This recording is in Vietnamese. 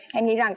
hèn nghĩ rằng